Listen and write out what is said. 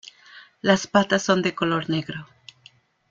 Las patas son de color negro.